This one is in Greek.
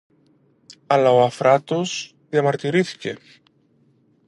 Αλλά ο Αφράτος διαμαρτυρήθηκε: